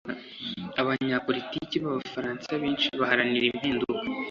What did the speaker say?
Abanyapolitiki b’Abafaransa benshi baharanira impinduka